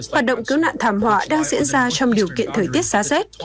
hoạt động cứu nạn thảm họa đang diễn ra trong điều kiện thời tiết giá rét